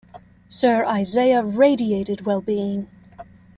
Sir Isaiah radiated well-being.